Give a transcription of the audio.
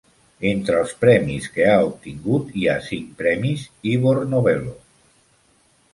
Entre els premis que ha obtingut hi ha cinc premis Ivor Novello.